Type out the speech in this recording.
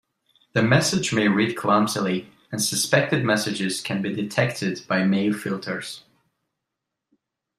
The message may read clumsily, and suspected messages can be detected by mail filters.